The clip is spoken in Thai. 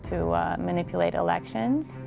เพื่อบอกว่าเป็นแบบนี้